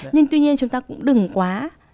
nhưng tuy nhiên chúng ta cũng đừng quá